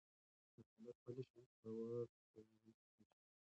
که عدالت پلی شي، باور پیاوړی کېږي.